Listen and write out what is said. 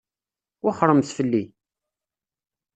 Wexxṛemt fell-i!